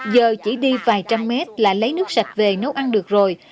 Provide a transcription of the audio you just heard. giờ chỉ đi vài trăm mét là lấy nước sạch về nấu ăn được rồi